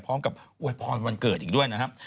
พร้อมกับวันพรวันเกิดอีกด้วยนะครับ